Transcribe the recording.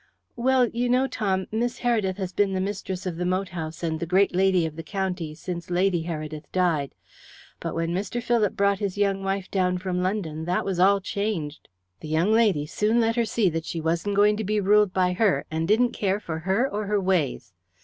"Well, you know, Tom, Miss Heredith has been the mistress of the moat house and the great lady of the county since Lady Heredith died. But when Mr. Philip brought his young wife down from London that was all changed. The young lady soon let her see that she wasn't going to be ruled by her, and didn't care for her or her ways.